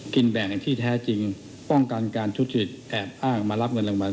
กินแบ่งอย่างที่แท้จริงป้องกันการชุดสิทธิ์แอบอ้างมารับเงินรางวัล